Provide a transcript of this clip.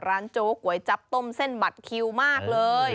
ร้านโจ๊กไว้จับต้มเส้นบัตรคิวมากเลย